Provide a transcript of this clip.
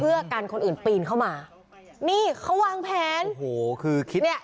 เพื่อกันคนอื่นปีนเข้ามานี่เขาวางแผนโอ้โหคือคิดเนี้ย